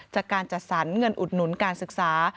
จากการจัดสรรเงินอุดหนุนการศึกษา